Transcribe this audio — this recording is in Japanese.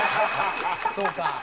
そうか。